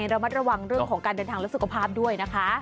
ระมัดระวังเรื่องของการเดินทางและสุขภาพด้วยนะคะ